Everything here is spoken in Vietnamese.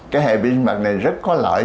cái hệ vi sinh vật này rất có lợi